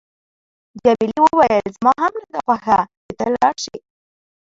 جميلې وويل: زما هم نه ده خوښه چې ته لاړ شې.